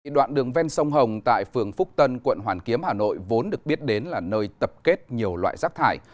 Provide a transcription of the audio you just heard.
đoạn đường ven sông hồng tại phường phúc tân quận hoàn kiếm hà nội vốn được biết đến là nơi tập kết nhiều loại rác thải